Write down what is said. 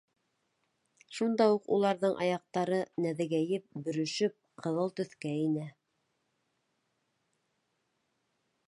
Шунда уҡ уларҙың аяҡтары нәҙегәйеп, бөрөшөп, ҡыҙыл төҫкә инә.